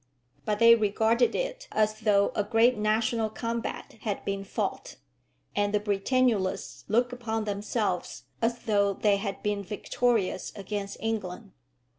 But they regarded it as though a great national combat had been fought, and the Britannulists looked upon themselves as though they had been victorious against England.